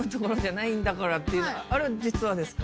あれは実話ですか？